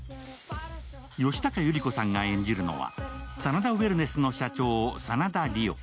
吉高由里子さんが演じるのは真田ウェルネス社長の真田梨央。